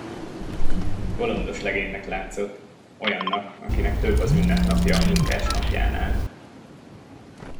Bolondos legénynek látszott, olyannak, akinek több az ünnepnapja a munkás napjánál.